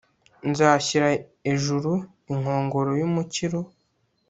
nzashyira ejuru inkongoro y'umukiro